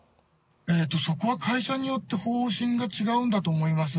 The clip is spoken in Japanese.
そこは会社によって方針が違うんだと思います。